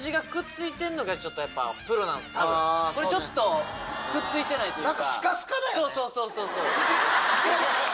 これくっついてないというか。